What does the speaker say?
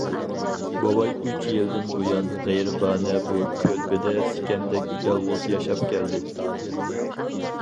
بوۋاي ئۈچ يىلدىن بۇيان غېرىبانە بۇ كۆلبىدە تىكەندەك يالغۇز ياشاپ كەلدى.